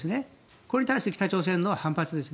これに対する北朝鮮の反発ですね。